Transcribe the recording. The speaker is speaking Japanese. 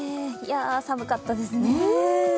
寒かったですね。